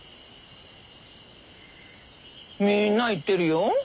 みんな言ってるよ。